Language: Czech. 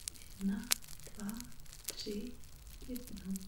Soli radia barví plamen sytě červeně.